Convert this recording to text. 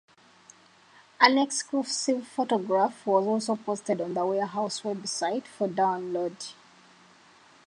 An exclusive photograph was also posted on the Warehouse website for download.